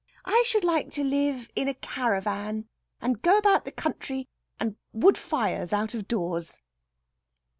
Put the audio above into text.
I should like to live in a caravan, and go about the country, and wood fires out of doors."